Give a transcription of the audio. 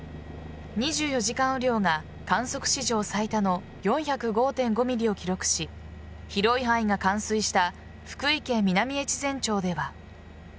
２４時間雨量が観測史上最多の４０５．５ｍｍを記録し広い範囲が冠水した福井県南越前町では。